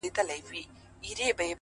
لوړ هدفونه قوي باور غواړي!.